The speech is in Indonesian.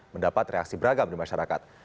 mendapat reaksi beragam di masyarakat